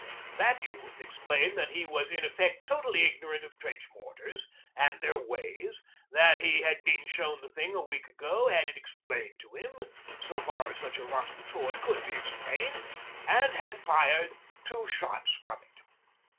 That youth explained that he was in effect totally ignorant of trench mortars and their ways, that he had been shown the thing a week ago, had it explained to him so far as such a rotten toy could be explained and had fired two shots from it.